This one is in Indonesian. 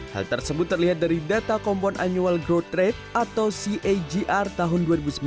hal tersebut terlihat dari data kompon annual growth rate atau cagr tahun dua ribu sembilan belas